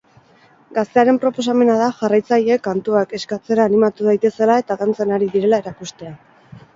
Gaztearen proposamena da jarraitzaileek kantuak eskatzera animatu daitezela eta dantzan ari direla erakustea.